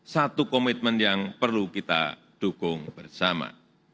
satu komitmen yang perlu kita dukung bersama